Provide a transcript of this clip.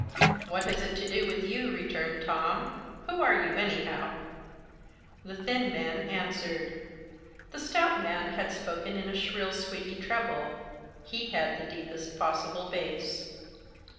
"What has it to do with you?" returned Tom. " Who are you, anyhow ?" The thin man answered ; the stout man had spoken in a shrill squeaky treble, he had the deepest possible bass.